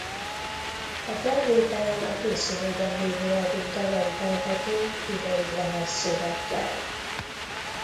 A felvételen a készülőben lévő album dalai hallhatók ideiglenes szöveggel.